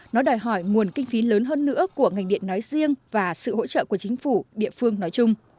nó đòi hỏi nguồn kinh phí lớn hơn nữa của ngành điện nói riêng và sự hỗ trợ của chính phủ địa phương nói chung